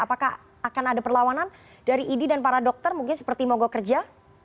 apakah akan ada perlawanan dari idi dan para dokter mungkin seperti mogok kerja